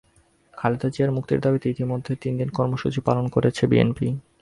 খালেদা জিয়ার মুক্তির দাবিতে ইতিমধ্যে তিন দিন কর্মসূচি পালন করেছে বিএনপি।